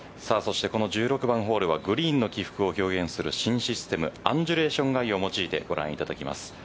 １６番ホールはグリーンの起伏を表現する新システムアンジュレーション・アイを用いてご覧いただきます。